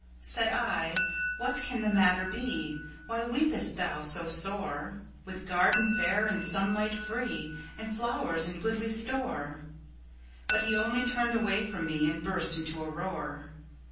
Said I, "What can the matter be? Why weepest thou so sore? With garden fair and sunlight freeAnd flowers in goodly store,"—But he only turned away from meAnd burst into a roar.